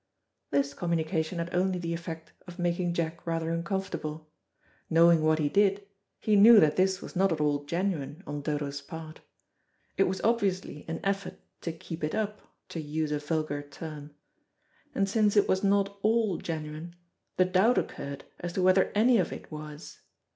This communication had only the effect of making Jack rather uncomfortable. Knowing what he did, he knew that this was not all genuine on Dodo's part. It was obviously an effort to keep it up, to use a vulgar term. And since it was not all genuine, the doubt occurred as to whether any of it was.